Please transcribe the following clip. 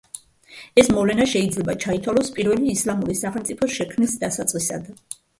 ეს მოვლენა შეიძლება ჩაითვალოს პირველი ისლამური სახელმწიფოს შექმნის დასაწყისად.